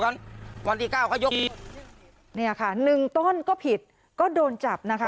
นี่อะค่ะหนึ่งต้นก็ผิดก็โดนจับนะคะ